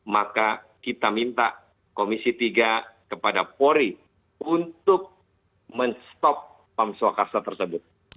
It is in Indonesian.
maka kita minta komisi tiga kepada polri untuk men stop pam swakarsa tersebut